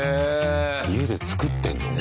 家で作ってんのね。